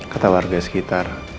kata warga sekitar